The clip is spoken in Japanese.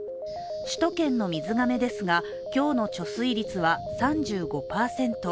首都圏の水がめですが、今日の貯水率は３５％。